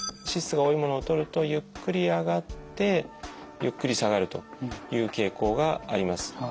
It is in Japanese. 脂質が多いものをとるとゆっくり上がってゆっくり下がるという傾向があります。